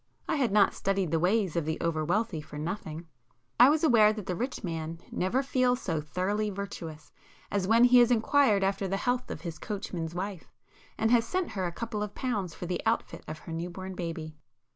—I had not studied the ways of the over wealthy for nothing,—I was aware that the rich man never feels so thoroughly virtuous as when he has inquired after the health of his coachman's wife, and has sent her a couple of pounds for the outfit of her new born [p 331] baby.